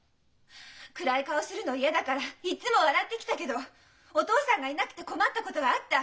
暗い顔するの嫌だからいっつも笑ってきたけどお父さんがいなくて困ったことがあった。